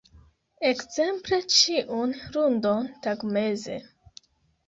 Ekzemple ĉiun lundon tagmeze.